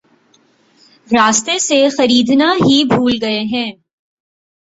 راستے سے خریدنا ہی بھول گئے ہیں